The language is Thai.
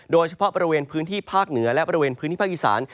โดยเฉพาะบริเวณพื้นที่ภาคเหนือและบริเวณพื้นที่ภาคอีสาน